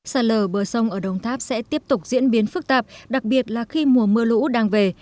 sạt lở bờ sông ở đồng tháp sẽ tiếp tục diễn biến phức tạp đặc biệt là khi mùa mưa lũ đang về